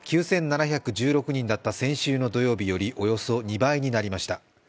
９７１６人だった先週の土曜日よりおよそ２倍になりました。